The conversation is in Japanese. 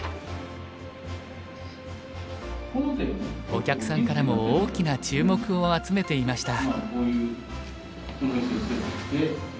お客さんからも大きな注目を集めていました。